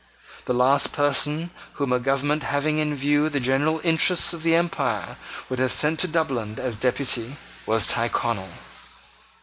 The last person whom a government having in view the general interests of the empire would have sent to Dublin as Deputy was Tyrconnel.